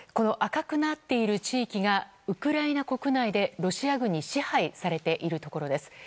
赤くなっている地域がウクライナ国内でロシア軍に支配されているところです。